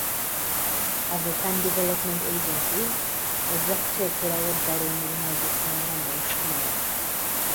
Aga Khan Development agencies ejja kuteekerawo ddala emirimu egisinga mu West Nile.